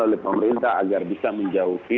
oleh pemerintah agar bisa menjauhi